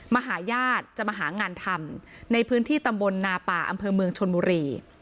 มาหาญาติจะมาหางานทำในพื้นที่ตำบลนาป่าอำเภอเมืองชนบุรี